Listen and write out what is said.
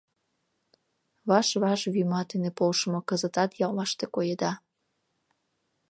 Ваш-ваш вӱма дене полшымо кызытат яллаште коеда.